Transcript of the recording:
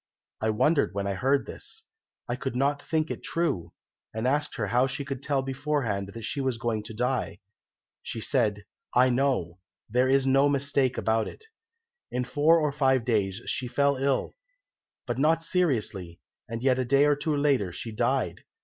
I wondered when I heard this. I could not think it true, and asked her how she could tell beforehand that she was going to die. She said, 'I know, there is no mistake about it.' "In four or five days she fell ill, but not seriously, and yet a day or two later she died.